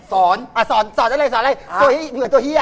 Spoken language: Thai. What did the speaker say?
สอนสอนสอนอะไรสอนอะไรสอนอะไรที่เหมือนตัวเหี้ย